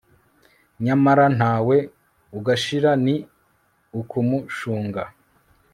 nyamara ntawe ugashira, ni ukumushunga